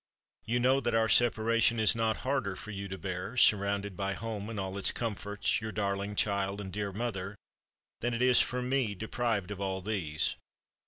You know that our separation is not harder for you to bear, surrounded by home and all its comforts, your darling child and dear mother, than it is for me deprived of all these.